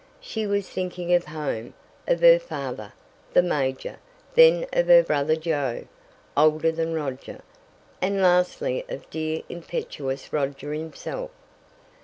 She was thinking of home, of her father, the major, then of her brother Joe, older than Roger, and lastly of dear, impetuous Roger himself.